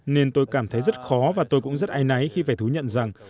nên tôi cảm thấy rất khó và tôi cũng rất ai nái khi phải thú nhận rằng